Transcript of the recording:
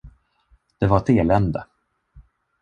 Det var ett elände.